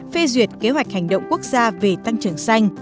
phê duyệt kế hoạch hành động quốc gia về tăng trưởng xanh